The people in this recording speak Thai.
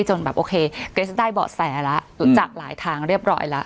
จนแบบโอเคเกรสได้บอกแสลละจากหลายทางเรียบร้อยละ